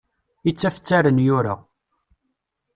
Ittafttaren yura.